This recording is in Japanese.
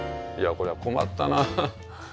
いやこりゃ困ったな。